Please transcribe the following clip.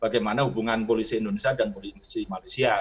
bagaimana hubungan polisi indonesia dan polisi malaysia